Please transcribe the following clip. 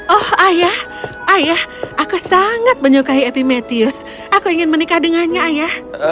oh ayah ayah aku sangat menyukai epimetheus aku ingin menikah dengannya ayah